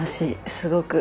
すごく。